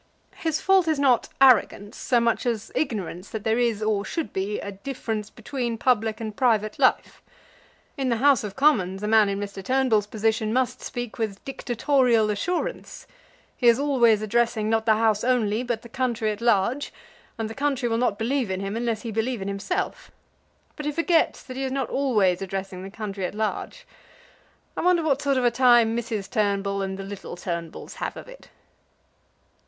"His fault is not arrogance, so much as ignorance that there is, or should be, a difference between public and private life. In the House of Commons a man in Mr. Turnbull's position must speak with dictatorial assurance. He is always addressing, not the House only, but the country at large, and the country will not believe in him unless he believe in himself. But he forgets that he is not always addressing the country at large. I wonder what sort of a time Mrs. Turnbull and the little Turnbulls have of it?"